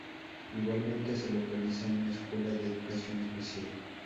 Igualmente se localiza una escuela de educación especial.